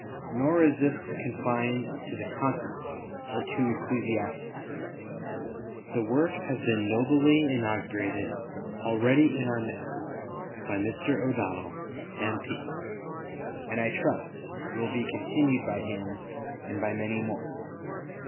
Nor is this confined to the Continent or to ecclesiastics. The work has been nobly inaugurated already in our midst by Mr. O'Donnell, M.Y., and I trust will be continued by him and by many more.